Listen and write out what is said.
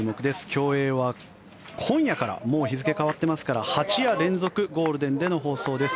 競泳は今夜からもう日付が変わってますから８夜連続ゴールデンでの放送です。